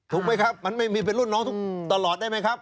ถูกไหมครับมันไม่มีเป็นรุ่นน้องตลอดได้ไหมครับ